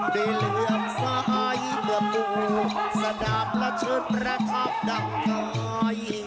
ได้เหลืองสายเหมือนปู่สะดาบละชื่นแปลกทัพดังไทย